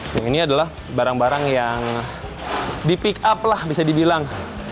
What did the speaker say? yang ini adalah barang barang yang di pick up lah bisa dibilang